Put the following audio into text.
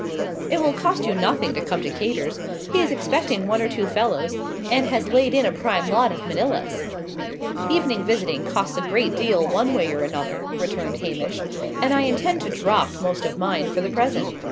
"It will cost you nothing to come to Cator's. He is expecting one or two fellows, and has laid in a prime lot of Manillas." "Evening visiting costs a great deal, one way or another," returned Hamish, "and I intend to drop most of mine for the present.